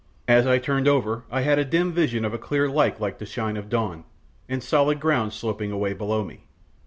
As I turned over I had a dim vision of a clear light like the shine of dawn, and solid ground sloping away below me.